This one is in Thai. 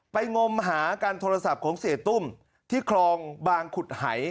งมหาการโทรศัพท์ของเสียตุ้มที่คลองบางขุดหาย